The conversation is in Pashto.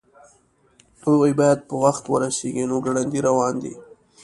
هغوی باید په وخت ورسیږي نو ګړندي روان دي